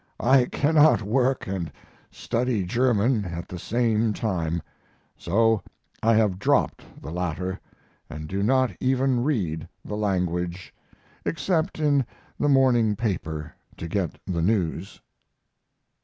I cannot work and study German at the same time; so I have dropped the latter and do not even read the language, except in the morning paper to get the news.